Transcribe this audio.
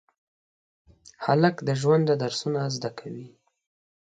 هلک د ژونده درسونه زده کوي.